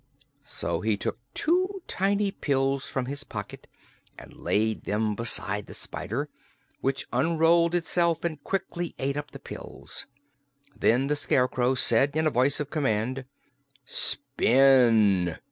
So he took two tiny pills from his pocket and laid them beside the spider, which unrolled itself and quickly ate up the pills. Then the Scarecrow said in a voice of command: "Spin!"